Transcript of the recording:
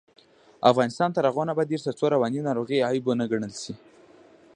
افغانستان تر هغو نه ابادیږي، ترڅو رواني ناروغۍ عیب ونه ګڼل شي.